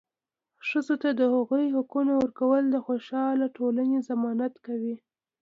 ښځو ته د هغوي حقونه ورکول د خوشحاله ټولنې ضمانت کوي.